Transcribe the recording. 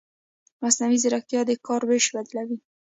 مصنوعي ځیرکتیا د کار وېش بدلوي.